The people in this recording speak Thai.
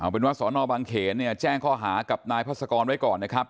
เป็นว่าสอนอบางเขนเนี่ยแจ้งข้อหากับนายพัศกรไว้ก่อนนะครับ